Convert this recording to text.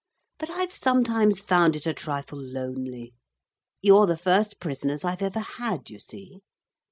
But I've sometimes found it a trifle lonely. You're the first prisoners I've ever had, you see.